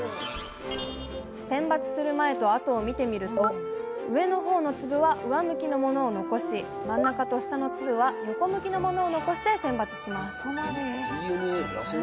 選抜する前と後を見てみると上の方の粒は上向きのものを残し真ん中と下の粒は横向きのものを残して選抜します